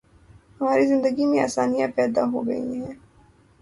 ہماری زندگی میں آسانیاں پیدا ہو گئی ہیں۔